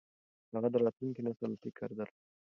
هغه د راتلونکي نسل فکر درلود.